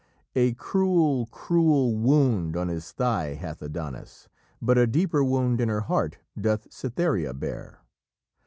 "A cruel, cruel wound on his thigh hath Adonis, but a deeper wound in her heart doth Cytherea bear.